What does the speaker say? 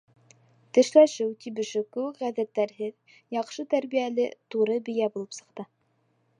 Тешләшеү, тибешеү кеүек ғәҙәттәрһеҙ яҡшы тәрбиәле туры бейә булып сыҡты.